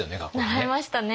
習いましたね。